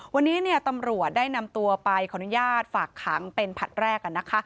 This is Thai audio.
วันนี้ตำรวจได้นำตัวไปขออนุญาตฝากขังเป็นผลัดแรกนะคะ